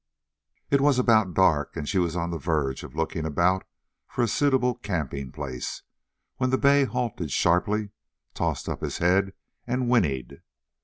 It was about dark, and she was on the verge of looking about for a suitable camping place, when the bay halted sharply, tossed up his head, and whinnied.